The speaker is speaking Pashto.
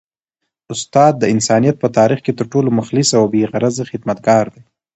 استاد د انسانیت په تاریخ کي تر ټولو مخلص او بې غرضه خدمتګار دی.